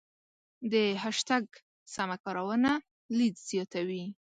د هشتګ سمه کارونه لید زیاتوي.